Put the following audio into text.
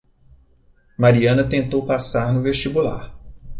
Mariana tentou passar no vestibular.